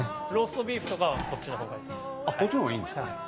こっちのがいいんですか？